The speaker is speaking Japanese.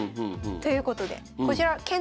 ということでこちら検討室で。